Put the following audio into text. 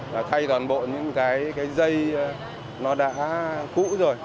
và thay toàn bộ những cái dây nó đã cũ rồi